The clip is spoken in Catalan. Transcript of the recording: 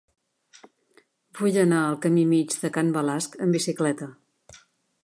Vull anar al camí Mig de Can Balasc amb bicicleta.